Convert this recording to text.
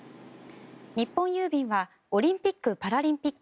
日本郵便はオリンピック・パラリンピック